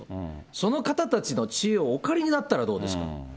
その方たちの知恵をお借りになったらどうですか。